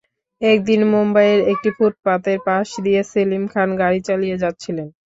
একদিন মুম্বাইয়ের একটি ফুটপাতের পাশ দিয়ে সেলিম খান গাড়ি চালিয়ে যাচ্ছিলেন।